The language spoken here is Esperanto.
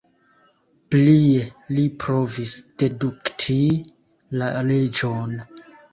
Plie li provis dedukti la leĝon.